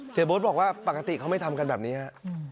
โบ๊ทบอกว่าปกติเขาไม่ทำกันแบบนี้ฮะ